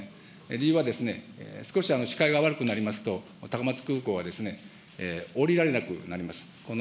理由は、少し視界が悪くなりますと、高松空港は降りられなくなります。